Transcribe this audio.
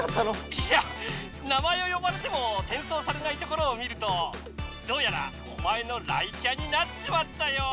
いや名前をよばれてもてんそうされないところをみるとどうやらおまえの雷キャになっちまったようだな！